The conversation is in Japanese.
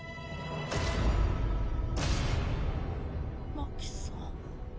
真希さん？